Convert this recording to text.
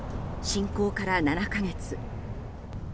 侵攻から７か月。